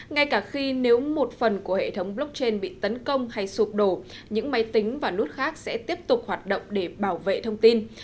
ngay cả khi nếu một phần của hệ thống blockchain bị tấn công hay sụp đổ những máy tính và nút khác sẽ tiếp tục hoạt động để bảo vệ thông tin